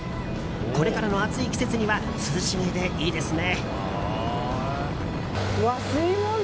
これからの暑い季節には涼しげでいいですね。